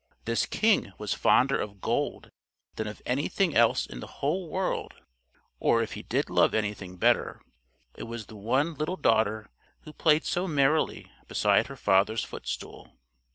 This King was fonder of gold than of anything else in the whole world: or if he did love anything better, it was the one little daughter who played so merrily beside her father's footstool.